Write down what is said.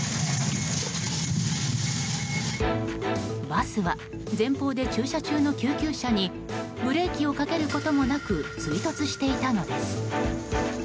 バスは前方で駐車中の救急車にブレーキをかけることもなく追突していたのです。